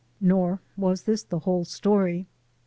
Nor was this the whole story.